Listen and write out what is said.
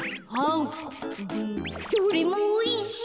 どれもおいしい！